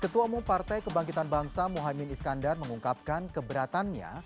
ketua umum partai kebangkitan bangsa muhaymin iskandar mengungkapkan keberatannya